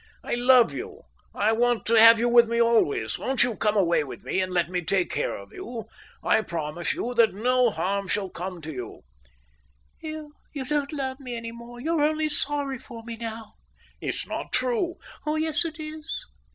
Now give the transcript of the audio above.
I love you—I want to have you with me always. Won't you come away with me and let me take care of you? I promise you that no harm shall come to you." "You don't love me any more; you're only sorry for me now." "It's not true." "Oh yes it is.